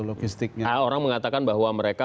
logistiknya orang mengatakan bahwa mereka